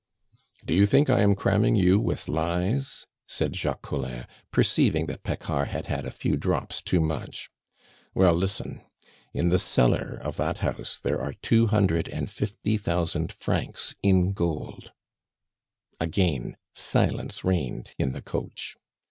"Do you think I am cramming you with lies?" said Jacques Collin, perceiving that Paccard had had a few drops too much. "Well, listen. In the cellar of that house there are two hundred and fifty thousand francs in gold " Again silence reigned in the coach.